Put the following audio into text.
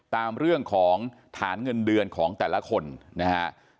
ตามเรื่องของฐานเงินเดือนของแต่ละคนนะฮะ